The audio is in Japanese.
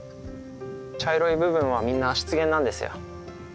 茶色い部分はみんな湿原なんですよ。